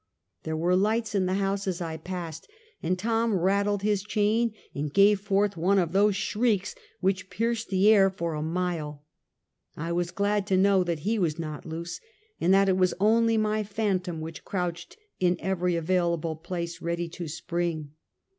There were lights iu the house as I passed, and Tom rattled his chain and gave forth one of those shrieks which pierced the air for a mile. I was glad to know that he was not loose, and that it was only my phantom which crouched in every available place, ready to spring.